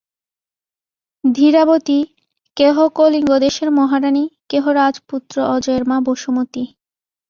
ধীরাবতী, কেহ কলিঙ্গদেশের মহারানী, কেহ রাজপুত্র অজয়ের মা বসুমতী।